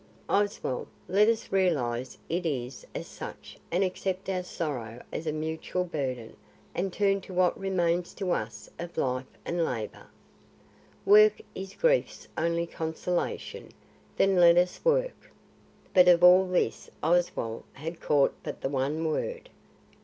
Oswald, let us realise it as such and accept our sorrow as a mutual burden and turn to what remains to us of life and labour. Work is grief's only consolation. Then let us work." But of all this Oswald had caught but the one word.